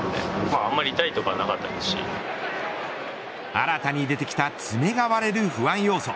新たに出てきた爪が割れる不安要素。